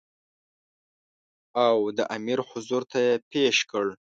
او د امیر حضور ته یې پېش کړ.